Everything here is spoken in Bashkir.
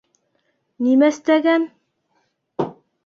Нимәстәгән?